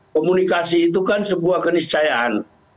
komunikasi itu kan sebuah keniscayaan